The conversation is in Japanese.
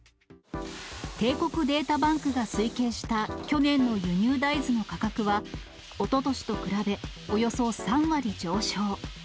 帝国データバンクが推計した去年の輸入大豆の価格は、おととしと比べ、およそ３割上昇。